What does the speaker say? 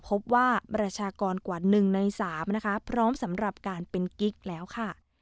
พบว่าราชากรกว่าหนึ่งในสามนะคะพร้อมสำหรับการเป็นกิ๊กแล้วค่ะ